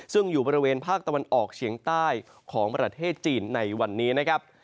ซึ่งอยู่บริเวณภาคตะวันออกเฉียงใต้ของประเทศจีนในวันนี้นะครับ